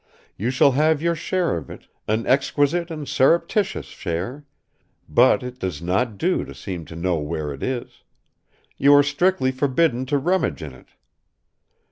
You shall have your share of it, an exquisite and surreptitious share; but it does not do to seem to know where it is. You are strictly forbidden to rummage in it.